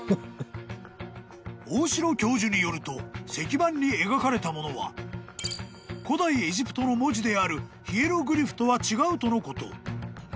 ［大城教授によると石板に描かれたものは古代エジプトの文字であるヒエログリフとは違うとのこと］